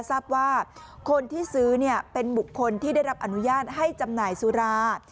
ทราบว่าคนที่ซื้อเป็นบุคคลที่ได้รับอนุญาตให้จำหน่ายสุรา